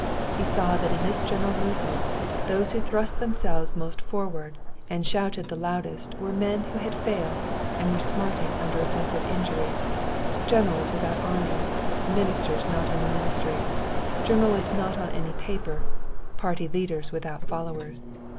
He saw that in this general movement those who thrust themselves most forward and shouted the loudest were men who had failed and were smarting under a sense of injury—generals without armies, ministers not in the ministry, journalists not on any paper, party leaders without followers.